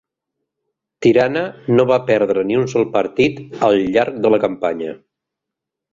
Tirana no va perdre ni un sol partit al llarg de la campanya.